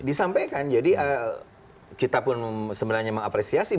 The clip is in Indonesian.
disampaikan jadi kita pun sebenarnya mengapresiasi